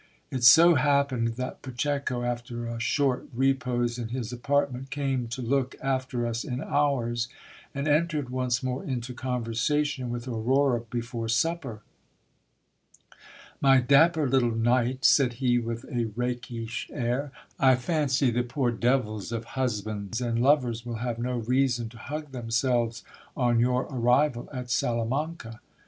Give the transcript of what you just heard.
It so happened that Pacheco, after a short repose in his apartment, came to look after us in ours, and entered once more into conversation with Aurora be fore supper. My dapper little knight, said he with a rakish air, I fancy the poor devils of husbands and lovers will have no reason to hug themselves on your arrival at Salamanca.